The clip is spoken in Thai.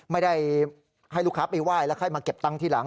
ไม่ได้ให้ลูกค้าไปไหว้แล้วค่อยมาเก็บตังค์ทีหลัง